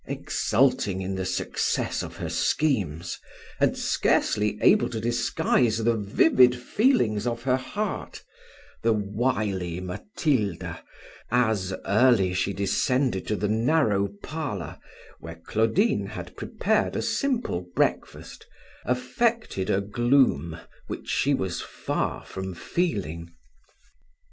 Exulting in the success of her schemes, and scarcely able to disguise the vivid feelings of her heart, the wily Matilda, as early she descended to the narrow parlour, where Claudine had prepared a simple breakfast, affected a gloom she was far from feeling.